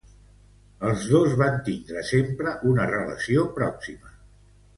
Els dos van tindre sempre una relació pròxima.